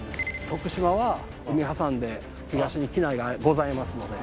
徳島は海挟んで東に畿内がございますので。